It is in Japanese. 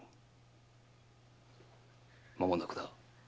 間もなくだ。